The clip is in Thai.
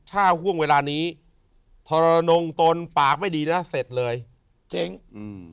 ถ้าห่วงเวลานี้ทรนงตนปากไม่ดีนะเสร็จเลยเจ๊งอืม